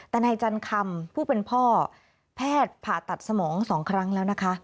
แต่นายจันคำผู้เป็นพ่อแพทย์ผ่าตัดสมอง๒ครั้งแล้วนะคะ